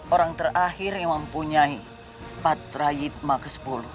orang terakhir yang mempunyai patra yitma ke sepuluh